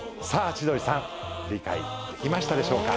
千鳥さん理解できましたでしょうか？